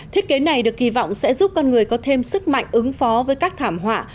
thiết kế này được kỳ vọng sẽ giúp con người có thêm sức mạnh ứng phó với các thảm họa